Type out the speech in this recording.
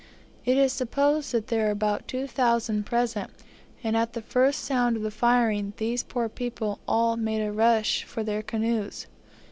It is supposed that there were about 2,000 present, and at the first sound of the firing these poor people all made a rush for their canoes.